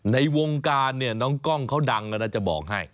ในวงการเนี่ยน้องกล้องเขาดังนะจะบอกให้